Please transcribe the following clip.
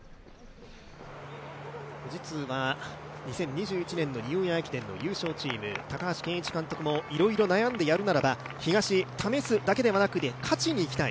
富士通は２０２１年のニューイヤー駅伝の優勝チーム、高橋健一監督もいろいろと悩んでやるならば、東、試すだけじゃなくて勝ちに行きたい